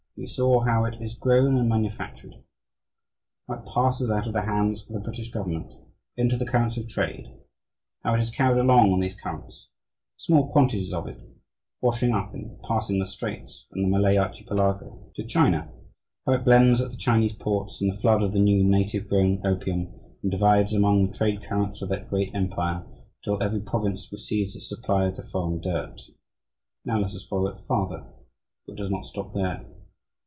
We saw how it is grown and manufactured; how it passes out of the hands of the British government into the currents of trade; how it is carried along on these currents small quantities of it washing up in passing the Straits and the Malay Archipelago to China; how it blends at the Chinese ports in the flood of the new native grown opium and divides among the trade currents of that great empire until every province receives its supply of the "foreign dirt." Now let us follow it farther; for it does not stop there.